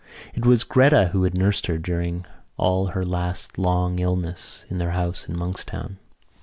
It was Gretta who had nursed her during all her last long illness in their house at Monkstown.